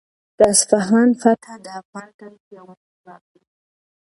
د اصفهان فتحه د افغان تاریخ یو مهم باب دی.